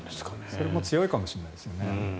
それも強いかもしれないですよね。